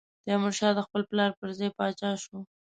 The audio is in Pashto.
تیمورشاه د خپل پلار پر ځای پاچا شو.